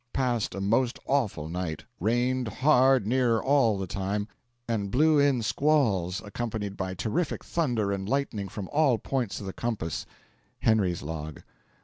Passed a most awful night. Rained hard nearly all the time, and blew in squalls, accompanied by terrific thunder and lightning from all points of the compass. Henry's Log.